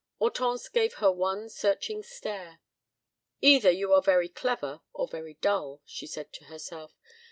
Hortense gave her one searching stare. "Either you are very clever or very dull," she said to herself.